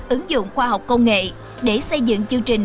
ứng dụng khoa học công nghệ để xây dựng chương trình